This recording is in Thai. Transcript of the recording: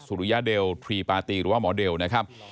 สุริยเดลทรีปาตีหรือว่าหมอเบลนะครับ